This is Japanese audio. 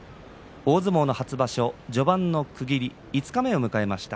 大相撲初場所序盤の区切り五日目を迎えました。